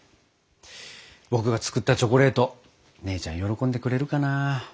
僕が作ったチョコレート姉ちゃん喜んでくれるかな。